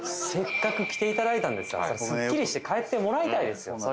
せっかく来ていただいたんですからすっきりして帰ってもらいたいですよ